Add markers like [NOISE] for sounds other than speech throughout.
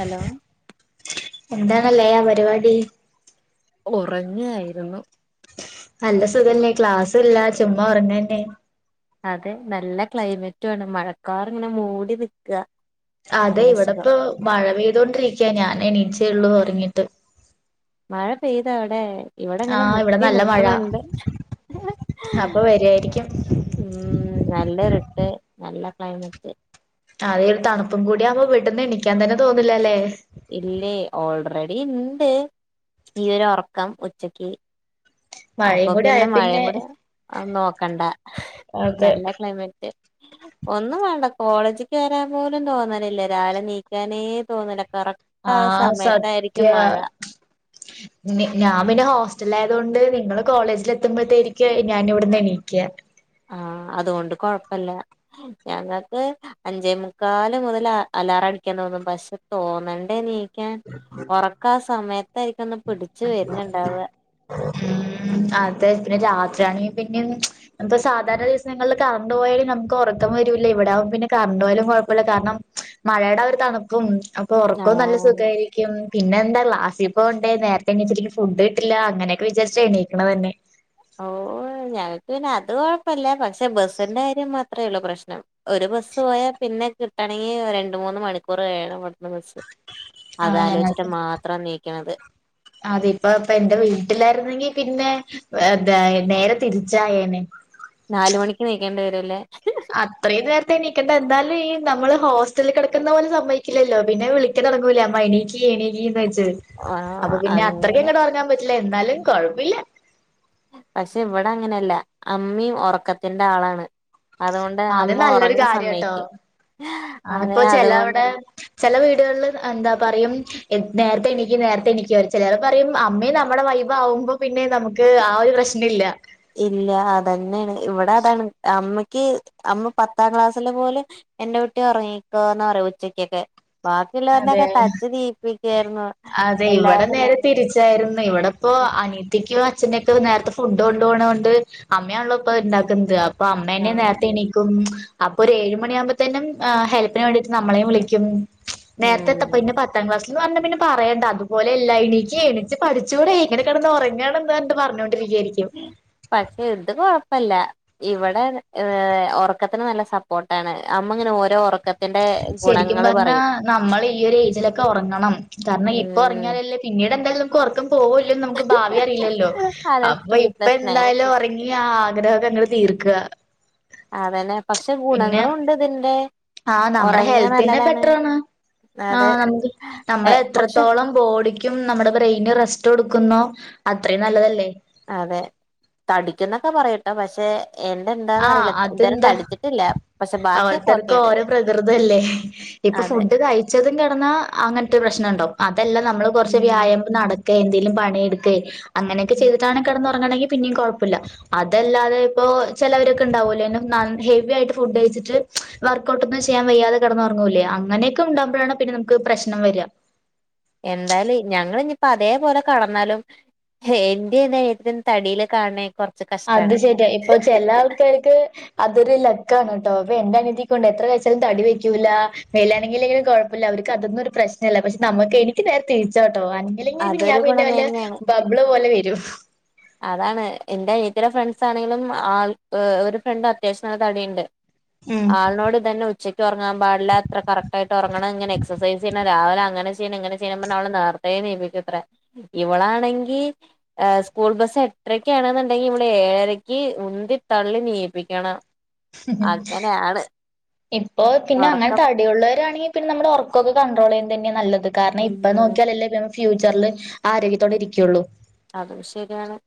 Hello എന്താണല്ലേ ആ പരിപാടി ഉറങ്ങ്യായിരുന്നു. നല്ല സുഖല്ലെ ക്ലാസുംല്ല ചുമ്മാ ഉറങ്ങന്നെ അതെ നല്ല ക്ലൈമറ്റോണ് മഴക്കാർ ഇങ്ങനെ മൂടി നിക്കാ അതെ ഇവിടെ പ്പോ മഴ പെയ്തൊണ്ടിരിക്കയാ ഞാനനീച്ചേള്ളു ഉറങ്ങിട്ട്. മഴ പെയ്താ വിടെ? ഇവിടെങ്ങനെ ആഹ് ഇവിടെ മുട്ടി നല്ല മഴ നിക്കണണ്ട്. അപ്പൊ വരുവായിരിക്കും ഉം നല്ല റിട്ട് നല്ല ക്ലൈമറ്റ്. അതെ ഒരു തണുപ്പും കൂടി ആവുമ്പോ ബെഡിന്ന് എണിക്കാൻ തന്നെ തോന്നില്ലല്ലേ? ഇല്ലേ ഓൾറെഡി ണ്ട് ഈ രു ഉറക്കം ഉച്ചക്ക്. അപ്പൊ മഴയും കൂടി ആയ പിന്നെ മഴയും കൂടെ നോക്കണ്ട അതെ നല്ല ക്ലൈമറ്റ്- ഒന്നും വേണ്ട കോളേജ്ക്ക് വരാൻ പോലും തോന്ന്നില്ല രാവിലെ നീക്കാനേ തോന്ന്ണ് കറക് ട്ടാ ആഹ് ആസമയത്തായിരിക്കും സത്യ മഴ- നി ഞാൻ പിന്നെ ഹോസ്റ്റലായത് കൊണ്ട് നിങ്ങള് കോളേജിൽ എത്തുമ്പോഴ്ത്തേക്ക് ഞാനിവട്ന്ന് എണീ- ക്ക്യാ ആഹ് അതോണ്ട് കൊഴപ്പല്ല ഞങ്ങക്ക് അഞ്ചേ മുക്കാല് മുതൽ അലാറ- ടിക്കാൻ തോന്നും പക്ഷെ തോന്നണ്ടേ നീക്കാൻ ഒറക്ക ആ സമയത്തായിരിക്കുംന്ന് മ് അതെ പ്പോ രാത്- ഇതാണെങ്കി പിന്നിം ഇങ്ങൻത്തെ സാധാരണ ദിവസങ്ങളിൽ കറണ്ട് പോയാലും നമുക്ക് ഒറക്കം വരൂല്ലേ ഇവിടാകും പിന്നെ കറണ്ട് ണ്ടോ യാലും കൊഴപ്പല്ല കാരണം മഴയുടെ ആ ഒരു തണുപ്പും അപ്പൊ ഉറക്കവും നല്ല ആഹ് സുഖായിരിക്കും പിന്നെ എന്താ ക്ലാസി പോണ്ടേ നേരത്തെ- നീച്ചിട്ട് പിന്നെ ഫുഡ് കിട്ടില്ല അങ്ങനെക്കെ വിചാരിച്ചാഎണീക്ക്ണതന്നെ ഓ ഞങ്ങക്ക് പിന്നെ അത് കൊഴപ്പല്ല പക്ഷെ ബസിന്റെ കാര്യം മാ അത്രേള്ളൂ പ്രശ്നം ഒരു ബസ്സ് പോയാൽ പിന്നെ കിട്ടണെങ്കി രണ്ട്മൂന്ന് മണിക്കൂർ വേണം അടുത്ത ബസ്സ് അതാലോചിച്ചിട്ട് മാത്രാ നീക്ക്ണെ അതെ ഇപ്പ പ്പ എന്റെ വീട്ടിലായിരുന്നെങ്കി പിന്നെ- വഅതാ നേരെ തിരിച്ചായേനെ നാല് മണിക്ക് നീക്കേണ്ടി വരും അല്ലേ അത്രയും നേരത്തെ എണീക്കണ്ട എന്താലും ഈ നമ്മള് ഹോസ്റ്റലിൽ കെടക്കുന്ന പോലെ സമ്മയ്ക്കില്ലല്ലോ പിന്നെ വിളിക്ക- തുടങ്ങൂലേ അമ്മ എണീക്ക് എണീക്ക് ന്ന് വെച്ചിട്ട്- ച്ച് ആഹ് അപ്പൊ പിന്നെ അത്രക്ക് അങ്ങനെ ഇങ്ങട്ട് ഒറങ്ങാൻ പറ്റില്ല എന്നാലും കൊഴപ്പില്ല പക്ഷെ ഇവിടെ അങ്ങനെയല്ല അമ്മിം െറക്കത്തിന്റെ ആളാണ് അതുകൊണ്ട് അത് അമ്മ നല്ലൊരു ഉറങ്ങാ കാര്യാട്ടോ സമ്മയിക്കും ആ ഇപ്പൊ ചെലവിടെ ചെല വീടുകളിൽ എന്താ പറയും നേരത്തെ എണീക്ക് നേരത്തെ എണീക്ക് ചെലര് പറയും അമ്മയും നമ്മുടെ വൈബാവുമ്പോ പിന്നെ നമുക്ക് ആ ഒരു പ്രശ്ന- പ്രശ്‌നില്ല ഇല്ല അതന്നെയാണ് ഇവിടെ അതാണ് അമ്മയ്ക്ക് അമ്മ പത്താം ക്ലാസ്സിലെ പോലെ- എന്റെ കുട്ടി ഉറങ്ങിക്കോന്നറിം ഉച്ചക്കൊക്കെ- ബാക്കിയുള്ളവര്നെക്കെ അതെ തച്ച് ന്നീപ്പിക്കയായിരുന്നു അതെ എല്ലാരും പറഞ്ഞു അനീത്തിക്കോ അച്ഛനക്കെ നേരത്തെ ഫുഡ് ഫുഡ് കൊണ്ട് പോണോണ്ട് അമ്മയാണള്ളോ ഇപ്പൊ ഇണ്ടാക്കുന്നത് അപ്പൊ അമ്മേന്നെ ആഹ് നേരത്തെ എണീക്കും അപ്പൊരു ഏഴ് മണിയാമ്പോത്തെനും ഏ ഹെൽപ്പിന് വേണ്ടിയിട്ട് നമ്മളെയും വിളിക്കും ഉം നേരത്തെത്തപ്പിന്നെ പത്താം ക്ലാസ് ന്ന് പറഞ്ഞാ പിന്ന പറയണ്ട അതുപോലെല്ല എണീക്കെയ് എണീച്ച് പഠിചൂടെ ഇങ്ങനെ കിടന്ന് ഉറങ്ങണംന്ന് പറഞ്ഞ് പറഞ്ഞോണ്ട് പക്ഷെ ഇത്‌ കൊഴ പ്പല്ല ഇവിടെ ഏ ഉറക്കത്തിന് നല്ല സപ്പോർട്ടാണ് അമ്മങ്ങനെ ഓരോ ഒറക്കത്ത് ശരിക്കും പറഞ്ഞാ നമ്മൾ ഈ ഒരു ഏജിലൊക്കെ ഒറങ്ങണം കാരണം ഇപ്പൊ ഉം ഉറങ്ങിയാലല്ലേ പിന്നീട് എന്തായാലും പോവോല്ലെന്ന് നമുക്ക് ഭാവി അറിയില്ലല്ലോ അതെ അപ്പൊ ഇപ്പ സ്ലീപ്ലെസ് നൈറ്റ് എന്തായാലും ഉറങ്ങി ആ ആഗ്രഹക്കങ്ങട് തീർ ക്കാ അതന്നെ പക്ഷെ ഗുണങ്ങളുണ്ട് ഇതിന്റെ ആഹ് നമ്മുടെ ഒറങ്ങിയാ ഹെൽത്തിന് നല്ലതാണ് ബെറ്ററാണ് അതെ ആഹ് [UNINTELLIGIBLE] എ നമ്മള് പക്ഷെ എത്രത്തോളം ബോഡിക്കും നമ്മുടെ ബ്രെയിനും റെസ്റ്റ് കൊ ക്കുന്നോ അത്രയും നല്ലതല്ലേ ഒക്കെ പറയുട്ടോ പക്ഷേ എന്റെന്താന്ന് ആ അറിയില്ല ഇത് വരെ അതെന്താ തട്ത്ത്ട്ടില്ല പക്ഷെ ബാക്കിയൊക്കെ ഓരോരുത്തർക്കും ഓക്കെണ് ഓരോ പ്രകൃതല്ലേ ഇപ്പൊ ഫുഡ് കയ്ച്ചതും കെടന്നാ അങ്ങനത്തെ പ്രശ്നണ്ടാവും അതെല്ലാ നമ്മള് കുറച്ച് ഉം വ്യായാമം നട എതേലും പണിയെടുക്കേ അങ്ങനെയൊക്കെ ഉം ചെയ്തിട്ടാണ് കിടന്ന്ഒറ ങ്ങാണെങ്കി പിന്നെം കുഴപ്പുല്ല അതല്ലാതെ ഇപ്പോ ചെലവരൊക്കെണ്ടാവുലേ നന്നാ ഹെവി ആയിട്ട് ഫുഡയ്ച്ചിട്ട് വർക്ക്ഔട്ടൊന്നും ചെയ്യാൻ വയ്യാതെ കെടന്ന്റങ്ങൂലേ ആ അങ്ങനെയൊക്കെ ഉണ്ടാമ്പോഴാണ് പിന്നെ നമക്ക് പ്രശ്നം വരാ എന്തായാലും ഞങ്ങൾ ഇനിയിപ്പോ അതേപോലെ കടന്നാലും എന്റേത് തടിയില് കാണേല് കൊ അത് ശരിയാ ഇപ്പൊ ചില ആൾക്കാർക്ക് അതൊരു ലക്കാണ് ട്ടോ പ്പന്റെ അനിയത്തികൊണ്ട് എത്ര കയ്ച്ചാലും തടി വെക്കൂലാ മേലനങ്ങില്ലെങ്കിലും കുഴപ്പല്ല അവ ക്ക് അതൊന്നും ഒരു പ്രശ്നല്ല പക്ഷെ നമുക്ക് എനിക്ക് നേരെ തിരിച്ചാണ് ട്ടോ [UNINTELLIGIBLE] അതൊരു ഞാൻ പിന്നെ വല്ല ഗുണമേന്മയാണ് ബബ്ള് പോലെ വരും അതാണ് എന്റെനിയത്തീടെ ഫ്രണ്ട്സ് ആണെലും ആൾ ഒരു ഫ്രണ്ട് അത്യാവശ്യം നല്ല തടിയുണ്ട് ഉം. ആൾനോട് തന്നെ ഉ ഉച്ചയ്ക്ക് ഉറങ്ങാൻ പാടില്ല അത്ര കറക്റ്റായിട്ട് ഉറങ്ങണം ഇങ്ങനെ എക്സൈസ് ചെയണം രാവിലെ അങ്ങനെ ചെയ്യണം ഇങ്ങനെ ചെയ്യണന്ന് പറഞ്ഞ് അവളെ നേർ എണീപ്പിക്കുത്രെ ഇവളാണെങ്കി സ്കൂൾ ബസ്സ് എട്ടരക്ക് ആണെന്നുണ്ടെങ്കി ഇവള് ഏഴരക്ക് ഉന്തി തള്ളി നീപ്പിക്കണം അങ്ങനെ ആണ് ഇപ്പൊ പിന്നെ അങ്ങനെ തടിയുള്ളവരാണെങ്കിൽ പിന്നെ നമ്മള് ഉറക്കൊക്കെ കണ്ട്രോൾ ചെയ്യുന്നതന്നെയാ നല്ലത് കാരണം ഉം ഇപ്പ നോക്കിയാലല്ലേ ഫ്യൂച്ചറിൽ ആരോഗ്യത്തോടെ ഇരിക്കുള്ളൂ അതും ശരിയാണ്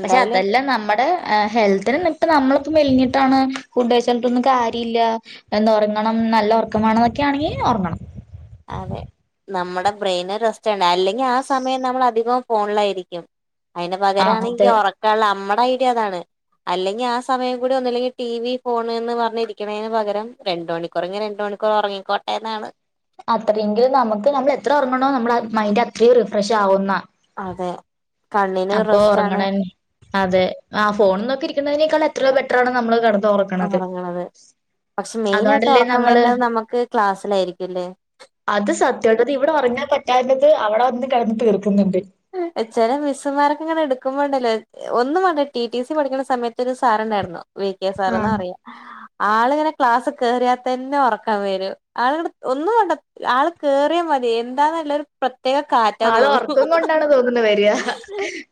പക്ഷെ അതെല്ലാം നമ്മുടെ ഹെൽത്തിനിൽപ്പ് നമ്മള് മെലിഞ്ഞി ട്ടാണ് ഫുഡഴ്ചിട്ടൊന്നും കാര്യല്ല എന്ത്‌ ഒറങ്ങണം നല്ല ഒറക്കമാണ് എന്നൊക്കെയാണെങ്കി ഒറങ്ങണം അതെ നമ്മുടെ ബ്രെയിന് റെസ്റ്റ് വേണേ അല്ലെങ്കിൽ ആ സമയം നമ്മൾ അധികം ഫോണിലായിരിക്കും അതിന് ആഹ് പകരാണെങ്കി അതെ ഓറക്കാണ് നമ്മടെ ഐഡിയ അതാണ് അല്ലെങ്കി ആ സമയം കൂടി ഒന്നുല്ലെങ്കി ടി വി ഫോണ് ന്ന് പറഞ്ഞിരിക്ക്ണേന് പകരം രണ്ട് മണിക്കുറേങ്കി രണ്ട് മണി [UNINTELLIGIBLE] ഒറങ്ങിക്കോട്ടേന്നാണ് അത്രെങ്കിലും നമുക്ക് നമ്മൾ എത്ര ഒറങ്ങണോ നമ്മുടെ മൈൻഡ് അത്രയും റിഫ്രഷ് ആവുന്ന അതെ കണ്ണിന് അപ്പൊ റെസ്റ്റ് ആണ് ഒറങ്ങണെന് അതെ ആ ഫോണ് നോക്കി ഇരിക്കുന്നയ്നേക്കാൾ എത്രയൊ ബെറ്റ്റാണ് നമ്മള് കടന്ന് ഒറങ്ങണത് പക്ഷെ മെയിനായിട്ട് അതുകൊണ്ടല്ലേ ഒറക്കം നമ്മള് വര്ണത് നമ്മുക്ക് ക്ലാസ്സിലായിരിക്കും ല്ലേ അത് സത്യാട്ട അത് ഇവിടെ ഒറങ്ങാൻ പറ്റാത്തത് അവിടെ വന്ന് കെടന്ന് തീർക്കും ചെല മിസ്സ്മാർ അങ്ങനെ എടുക്കുമ്പോണ്ടലോ ഒന്നും വേണ്ട ടി ടി സി പഠിക്കുന്ന സമയത്തൊരു സാറ്ണ്ടായിരുന്നു വി കെ സാർ ആഹ് ന്നറയാ ആളിങ്ങനെ ക്ലാസ്സ് കേയറിയാ തന്നെ ഒറക്കം വരും ആള ഒന്നുംവാണ്ട ആൾ കേറിയ മ അതെ എന്താെന്നല്ലൊരു പ്രത്യേക കാറ്റാ തോന്നുന്നു ഹ് ഹ് വരാ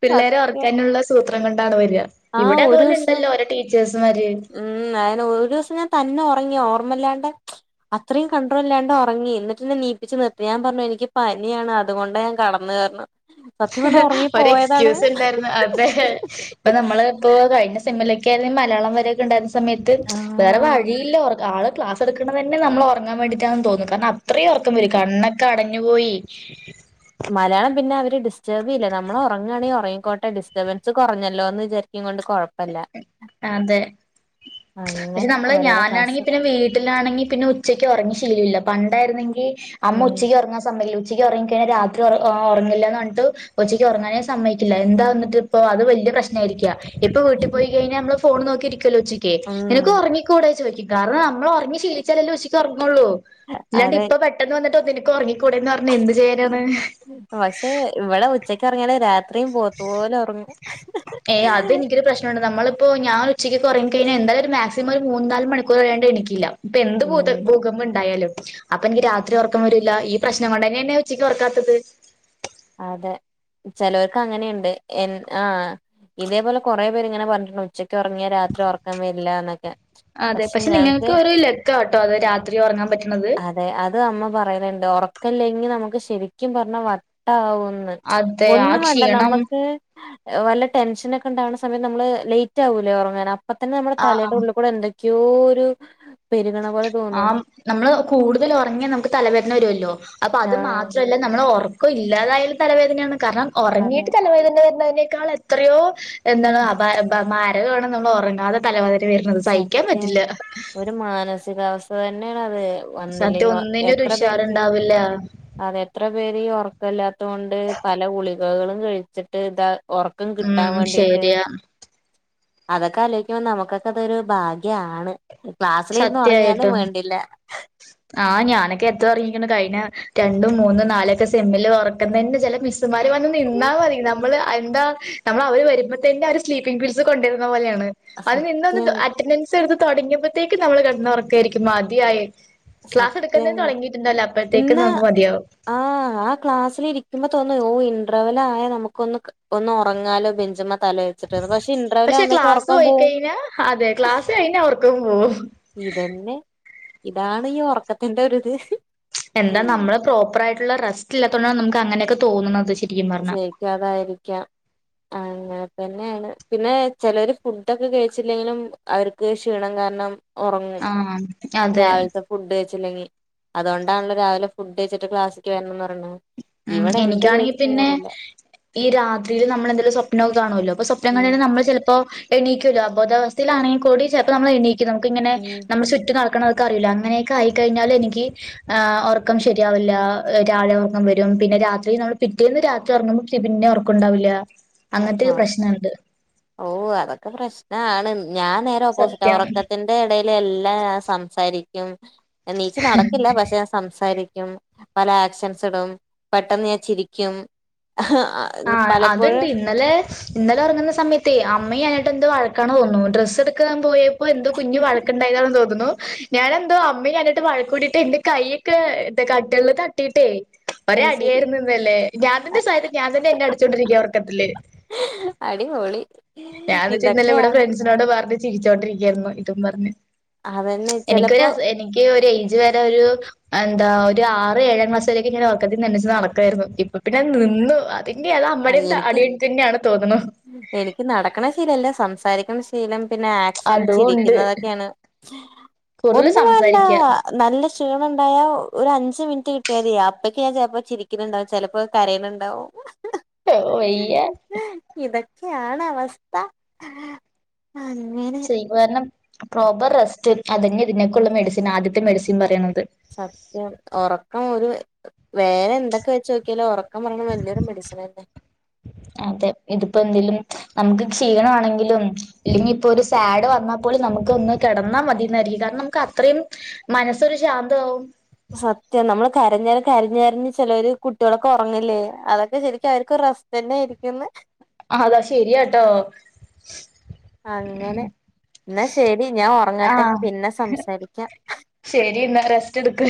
പിള്ളേരെ ഓർക്കാനുള്ള സൂത്രം കൊണ്ടാണ് വരാ ആ ഇവിടെ ഒരു അതുപോലെ ദിവസം ഇണ്ടല്ലോ ഒരു ട്ടി ഉം അയിന് ഒരു ദിവസം ഞാൻ തന്നെ റങ്ങി ഓർമ്മല്ലാണ്ട് അത്രയും കണ്ട്രോളല്ലാണ്ട് ഒറങ്ങി എന്നിട്ടിന്നെ നീപ്പിച്ചു നിർത്തി ഞാൻ പറഞ്ഞു എനിക്കിപ്പ നിയാണ് അതുകൊണ്ട് ഞാൻ കടന്നേ റഞ്ഞു ഹ് ഹ് ഒരു എക്സ്ക്യൂസ് ഉണ്ടായിർന്ന് അതെ ഇപ്പൊ നമ്മള് ഇപ്പോ കഴിഞ്ഞ സെിമിലൊക്കെ ആയിർന്നേ മലയാളം വരെയൊക്കെ ഉണ്ടായിര്ന്ന സമയത്ത് വേറെ ആഹ് വഴിയില്ല ഒർ ആള് ക്ലാസ് എടുക്ക്ണന്നെ നമ്മളൊറങ്ങാൻ വേണ്ടിട്ടാണ് തോന്നും കാരണം അത്ര ഉറക്കം വരും കണ്ണക്കെട ഞ് പോയി മലയാളം പിന്നെ അവര് ഡിസ്റ്റർബേയില്ല നമ്മൾ ഉറങ്ങണെങ്കിൽ ഉറങ്ങിക്കോട്ടെ ഡിസ്റ്റർബൻസ് കുറഞ്ഞല്ലോ എന്ന് വിചാരിച്ചോണ്ട് കൊഴപ്പല്ല അതെ പക്ഷെ നമ്മള് ഞാനാണെങ്കി പിന്നെ വീട്ടിലാണെങ്കി പിന്നെ ഉച്ചക്ക് ഒറങ്ങി ശീലല്ല പണ്ടേ അമ്മ ഉം ഉച്ചക്ക് ഒറങ്ങാ സമയ ഉച്ച ഉച്ചക്ക് ഉറങ്ങിക്കറിഞ്ഞ രാത്രി ഉറ ഉറങ്ങില്ല ന്ന് പറഞ്ഞിട്ട് ഉച്ചക്ക് ഉറങ്ങാനേ സമ്മയിക്കില്ല എന്താന്നിട്ടിപ്പൊ അത് വല്ല്യേ പ്രശ്ന ആരിക്ക ഇപ്പൊ വീട്ടിൽ പോയി കഴിഞ്ഞാ നമ്മ ഫോണ് നോക്കിരിക്കല്ലോ ഉച്ചക്ക് നിനക്ക് ഉം ഉറങ്ങിക്കൂട ചോയി കാരണം നമ്മൾ ഒറങ്ങി ശീലിച്ചല്ലല്ലോ ഉച്ചക്ക് ഉറങ്ങുള്ളൂ ഇല്ലാണ്ട് അതെ ഇപ്പൊ പെട്ടെന്ന് വന്നിട്ട് ഒന്നേനിക്കൊറങ്ങി കൂടെന്ന് പറഞ്ഞ എന്ത് ചെയ്യാനാണ് ഹ് ഹ ഇപ്പോറങ്ങ്യാലെ രാത്രിയും പോത്തപോലെ ഒർങ്ങൂ ഹ് ഹ്ഹേ ഇപ്പോ ഞാൻ ഉച്ചക്കൊക്കെറങ്ങി കഴിഞ്ഞാ എന്തായാല ഒരു മാക്സിമം മൂന്നാല് മണിക്കൂർ കെയ്യാണ്ടെ എനിക്കില്ലാ ഇപ്പെന്ത് ഭൂത് ഉം ഭൂകമ്പം ഇണ്ടായാലും അപ്പൊഞ്ഞി രാത്രി ഉറക്കം വരൂല്ല ഈ പ്രശ്നം കൊണ്ടന്നെനെൻ ഉച്ചക്ക് ഒറ ക്കാത്തത് ചിലചെലോര്ക് അങ്ങനെയുണ്ട് എൻ ആ ഇതേപോലെ കുറെപെരിങ്ങനെ ങ്ങനെ പറഞ്ഞിട്ടുണ്ട് ഉച്ചക്ക് ഉറങ്ങിയാ രാത്രി ഉറക്കം വരില്ലാ ന്നൊക്കെ അതെ പക്ഷെ ഞങ്ങക്ക് നിങ്ങൾക്ക് ഒരു ലക്കാട്ടോ അത് രാത്രി ഉറങ്ങാൻ പറ്റണത്. അതെ അത് അമ്മ പറയല ടാ ഉറക്കല്ലെങ്കിൽ നമുക്ക് ശരിക്കും പറഞ്ഞാൽ വട്ടാവും ന്ന് അതെ ആ ഒന്നും വേണ്ട ക്ഷീണം നമുക്ക് വല്ല ടെൻഷനൊക്കെണ്ടാവേ സമയം നമ്മള് ലൈറ്റ് ആകൂലേ ഉറങ്ങാൻ അപ്പ തന്നെ നമ്മടെ തലടെ ആഹ് ഉള്ളി കൂടെ എന്തൊക്കെയോ ഒരു പെരുകണ പോലെ ആ തോന്നും നമ്മള് കൂടുതൽ ഒറങ്ങ്യ നമക്ക് തലവേതന വരൊല്ലോ അപ്പൊ അത് ആഹ് മാത്രല്ല നമ്മൾ ഒർക്കൊഇല്ലാത്തല്ലാതായാല് തലവേദനയാണ് കാരണം അതെ ഉറങ്ങിയിട്ട് തലവേദന ത- ഇതിനേക്കാൾക്കാൾ എത്രയോ എന്താ അഭാ മാരകാണ് നമ്മളൊറങ്ങാത തല വേ--ധാന വേദന വേർന്നത് ത്സയിക്കാൻ പറ്റില്ല ഇതാ അവസ്ഥന്നേന് ഇല്ലാതെ സത്യം വന്നില്ലെങ്കഇല് ഒന്നിനും ഒരു എത്ര പേർക്ക് ഉഷാറുണ്ടാവില്ല അതെ എത്ര പേര് ഈ ഒർ ഗല്ലാത്തോണ്ട് പല ഗളികകളും കഴിച്ചിട്ട് ഇതാ ഒറക്കം കിട്ടാൻ ഉം വേണ്ടിറ്റ് ശരിയാ അതൊക്കെ ആലോയിക്കുമ്പോ നമുക്കൊക്കെ തൊരു ഭാഗ്യാണ് ക്ലാസ്സിലിരുന്ന് ഒറങ്ങിയാലും സത്യായിട്ടും വേണ്ടില്ല ആ ഞാനൊക്കെ എത്ര ഒറങ്ങീക്ക്ണ് കഴിഞ്ഞ രണ്ടും മൂന്നും നാലൊക്കെ സെമ്മിൽ ഉറക്കുതന്നെ ചില മിസ് മാര് വന്ന് നിന്നാ മതി നമ്മള് എന്താ നമ്മള് അവര് വരുമ്പോ തന്നെ അവ ഒരു സ്ലീപ്പിംഗ പീസ് കൊണ്ടുവരുന്ന പോലെയാവും ന്ന് അ സത്യം നിനന്ന് അറ്റൻഡൻസ് എടുത്ത് തുടങ്ങിയപത്തേക്ക് നമ്മൾ കടന്നൊറക്ക ആയിരിക്കും മതിയായെ ക്ലാസ് എടുക്കുന്നേ സത്യം തുടങ്ങിയിട്ട്ണ്ടവ് ല്ല അപ്പോഴത്തേക്ക് ഇന്ന് നമുക്ക് മതിയാവും ആ ആആ ക്ലാസ്സൽ ഇരിക്കുമ്പോ തോന്നു മ്പോ ഓയിൻ ഡ്രവല്ലായ നമുക്കൊന്ന് ഒന്ന് ഉറങ്ങാലോ ബെഞ്ച്മ പക്ഷെ ക്ലാസ് ഓയി പോവും കഴിഞ്ഞാ അതെ ക്ലാസ് കഴിഞ്ഞ ഒർക്കം പോവും ഇതന്നെ ഇതാണ് ഈ ഒ റക്കത്തിന്റെ ഒരുത് എന്താ നമ്മള് പ്രോപ്പർ ആയിട്ടുള്ള റെസ്റ്റ് ഇല്ലാത്തൊണ്ടാണ് നമുക്ക് അങ്ങനെയൊക്കെ തോന്നുന്നത് ശര് ജയിക്കാതായിരിക്കാം അങ്ങന് പിന്നെയാണ് പിന്നെ ചെലോര് ഫുഡൊക്കെ കഴിച്ചില്ലെങ്കിലും അവർക്ക് ക്ഷീണം കാരണം ഒ റങ്ങും ആഹ് അതെ രാവിലത്തെ ഫുഡ് കഴിച്ചല്ലങ്ങി അതുകൊണ്ടാണല്ലോ രാവിലെ ഫുഡ്കെയിച്ചിട്ട് ക്ലാസ്സിക്ക് വരണംന്ന് പറയ ണ് ഉം ഇവിടെ എനിക്കാണെങ്കി എന്ത്കെച്ചിട്ട് പറഞ്ഞത് കൊണ്ട് കഴി പിന്നെ ഈ രാത്രീല് നമ്മള് എന്തെങ്കിലും സ്വപ്നവുംഒ ക്കെ കാനൂലെ അപ്പൊ സ്വപനം ഉം കണ്ടിട്ട് നമ്മള് ചെലപ്പോ എണീക്കൂല്ലോബോധാവസ്ഥയിലാണെങ്കി കൂടി ചിലപ്പോ നമ്മള് എണീക്കും നമുക്ക ഇങ്ങനെ ഉം നമ്മളു ചുറ്റും നടക്കണത് ക്കറിയില്ല അങ്ങനെയൊക്കെ ആയിക്കഴിഞ്ഞാല് എനിക്ക് ഒറക്കം ശരിയാവില്ല രാവിലെ വരും പിന്നെ രാത്രി നമ്മള് പിറ്റേന്ന് രാത്രി ഒറങ്ങുമ്പോക്കി പിന്നെ ഒറക്കുണ്ടാവില്ല്യ. ആ ആ ഓ അതൊക്കെ പ്രശ് നാണ് ഞാൻ നേരെ ഓപ്പോസിറ്റ സത്യം ഒറക്കത്തിന്റെ എ ടേല് എല്ലാം ഞാൻ സംസാരിക്കും എണീച്ച് നടക്കില്ല പക്ഷെ ഞാൻ സംസാരി ക്കും പല ആക്ഷൻസിടും പെട്ടെന്ന് ഞാൻ ചിരിക്കും ആ അത്ണ്ട് പലപ്പോഴും ഇന്നലെ ഇന്നലെ ഒറങ്ങുന്ന സമയത്തേ അമ്മയു ഞാനായിട്ടെന്ത് വഴക്കാണ് തോന്നുണു ഡ്രസ്സ് എടുക്കാൻ പോയ പ്പൊ എന്തോ കുഞ്ഞ് വഴക്ക്ണ്ടായതാണ് തോന്നുണു ഞാനെന്തോ അമ്മയും ആയിട്ട് വഴക്കൂടിട്ട് എന്റെ കൈ ഒക്കെ കട്ടില് തട്ടിട്ടേ ഒരേ അത് ശരി അടിയായിര്ന്നിന്നലെ ഞാൻ തന്നെ [UNINTELLIGIBLE] [UNINTELLIGIBLE] [INAUDIBLE] ഞാൻ തന്നെ എന്നെ അടിച്ചോണ്ടിരിക്ക ഒറക്കത്തില്. അടിപൊളി ഞാൻചീ ന്നലെ ഇവിടെ ഇതൊക്കെയാണ് ഫ്രണ്ട്സിനോട് പറഞ്ഞ് ചിരിച്ചോണ്ടിരിക്കായ്രുന്നു ഇതും പറഞ്ഞ്. അതന്നെ എനിക്കൊര് ചെലപ്പോ എനിക്ക് ഒരേ ജ് വരെ ഒരു എന്താ ഒരു ആറ് ഏഴാം ക്ലാസ്സ്‌ വരക്കെ ഞാൻ ഒറക്കത്തീന്ന് എണീച്ച് നടക്കുായിരുന്നു ഇപ്പൊ പിന്നെ നി ന്നു അതിന്റെ അത അമ്മടേട്ത്ത് എനിക്ക് അടി തന്നെയാണ് തോന്നുന്നു. ആക്കണ ശീലല്ല സംസാരിക്കണ ശീലം പിന്നെ ആക്ഷൻ അതും ഉണ്ട് ചിരിക്കുന്നതൊക്കെയാണ് കൂടുതൽ ഒന്നും വേണ്ട സംസാരിക്ക നല്ല ക്ഷീണം ഉണ്ടായ ഒരു അഞ്ച് മിനിറ്റ് കി ട്ടിയാതി അപ്പൊക്കെ ഞാൻ ചിലപ്പോ ചിരിക്കണ്ണ്ടാവും ചെലപ്പോ കരയണുണ്ടാവു [UNINTELLIGIBLE] വയ്യ ഇതൊക്കെയാണ് അവസ്ഥ അങ്ങനെ ചെയ്യ്കാരണം പ്രോപ്പർ റെസ്റ്റ് അതന്നെ ഇതിനൊക്കുള്ള മെഡിസിൻ ആദ്യത്തെ മെഡിസിൻ പറയണ സത്യം ഉറക്കം ഒരു വേരെന്തൊക്കെ വെച്ചോക്കിയാലോ ഉറ അതെ ഇതിപ്പോ എന്തേലും നമുക്ക് ക്ഷീണ ആണെങ്കിലും ഇല്ലെങ്കിപ്പൊരു സാഡ് വന്നാ പോലും നമുക്ക് ഒന്ന് കെടന്നാ മതിന്നായിരിക്കും കാരണം നമുക്ക് അത്രയും മനസ്സൊരു ശാന്താവും സത്യം നമ്മള് കരഞ്ഞാലു കരിഞ്ഞേരഞ് ചിലര് കുട്ട്യേളൊക്കെ ഒറങ്ങില്ലേ അതൊക്കെ ശരിക്കും അവര്ക്ക് ഒര് അവസ്ഥന്നെ ആയിരിക്കുന്ന് അതാ ശെരിയാട്ടോ അങ്ങനെ ന്നാ ശെരി ഞാൻ ഒറങ്ങട്ടെ ആഹ് പിന്നെ സംസാരിക്കാ ന്നാ റെസ്റ്റ് എടുക്ക്